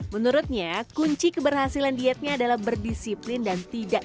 menurutnya kunci keberhasilan dietnya adalah berdisiplin dan tidak